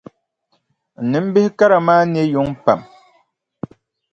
N nimbihi kara maa ne yuŋ pam.